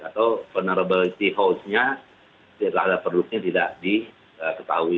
atau vulnerability holes nya produknya tidak diketahui